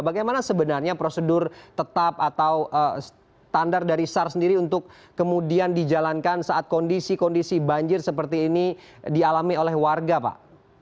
bagaimana sebenarnya prosedur tetap atau standar dari sar sendiri untuk kemudian dijalankan saat kondisi kondisi banjir seperti ini dialami oleh warga pak